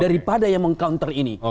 daripada yang meng counter ini